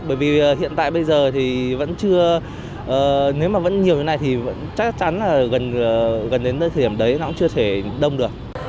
bởi vì hiện tại bây giờ thì vẫn chưa nếu mà vẫn nhiều như thế này thì chắc chắn là gần đến thời điểm đấy nó cũng chưa thể đông được